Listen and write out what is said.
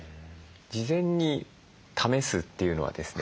事前に試すというのはですね